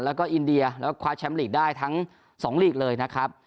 แล้วก็อินเดียแล้วก็คว้าแชมป์ลีกได้ทั้ง๒ลีกเลยนะครับ